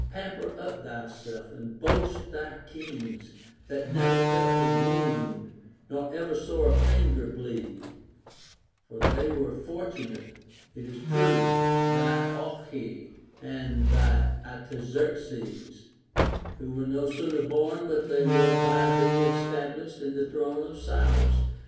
Pamper up thyself, and boast thy kings that never felt a wound nor ever saw a finger bleed ; for they were fortunate, it is true, — thy Ochi and thy Artaxerxes, — Λνΐιο were no sooner born but they w^ere by thee estab lished in the throne of Cyrus.